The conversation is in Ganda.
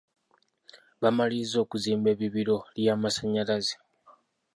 Baamalirizza okuzimba ebbibiro ly'amasannyalaze.